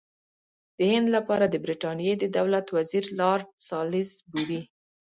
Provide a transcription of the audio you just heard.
د هند لپاره د برټانیې د دولت وزیر لارډ سالیزبوري.